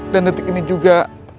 dan detik ini juga